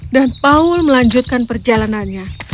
dan paul melanjutkan perjalanannya